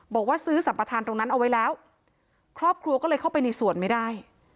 บอกว่าซื้อสัมปทานตรงนั้นเอาไว้แล้วครอบครัวก็เลยเข้าไปในสวนไม่ได้